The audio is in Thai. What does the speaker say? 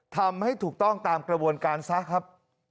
ทำให้ถูกต้องตามกระบวนการซะครับ